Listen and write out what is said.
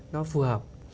nó phù hợp